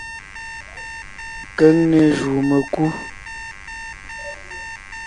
Keŋne jùu mekú.